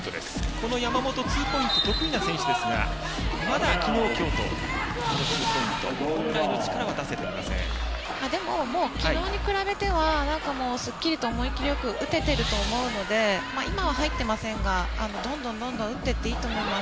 この山本はツーポイントが得意な選手ですがまだ昨日、今日とこのツーポイントでも、昨日に比べればすっきりと思い切りよく打てていると思いますので今は入っていませんがどんどん打っていっていいと思います。